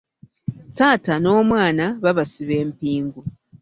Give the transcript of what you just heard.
Taata n'omwana babasiba empingu.